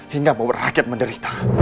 hingga membuat rakyat menderita